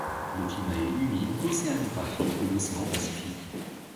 Le climat est humide océanographique de l'Océan Pacifique.